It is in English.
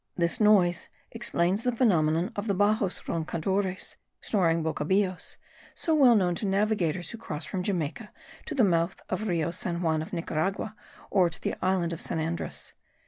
This noise explains the phenomena of the baxos roncadores (snoring bocabeoos), so well known to navigators who cross from Jamaica to the mouth of Rio San Juan of Nicaragua, or to the island of San Andres.)